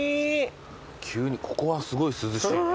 急にここはすごい涼しいね。